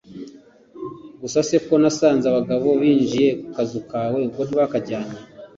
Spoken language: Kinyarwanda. gusa se ko nasanze babagabo binjiye kukazu kawe, ubwo ntibakajyanye!